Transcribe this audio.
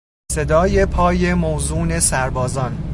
صدای پای موزون سربازان